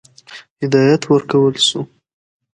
هدایت ورکړه شو.